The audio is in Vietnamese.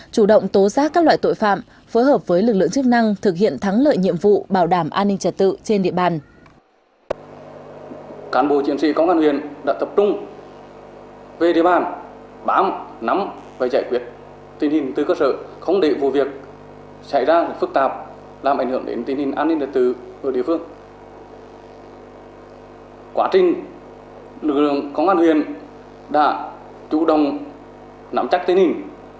chủ động tố giác các loại tội phạm phối hợp với lực lượng chức năng thực hiện thắng lợi nhiệm vụ bảo đảm an ninh trật tự trên địa bàn